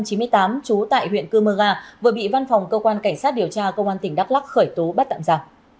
chú tại huyện cư mơ gà vừa bị văn phòng cơ quan cảnh sát điều tra công an tỉnh đắk lắc khởi tố bắt tạm giả